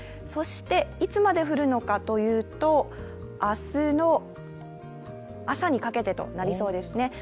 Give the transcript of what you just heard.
そしていつまで降るのかというと、明日の朝にかけてとなりそうですね。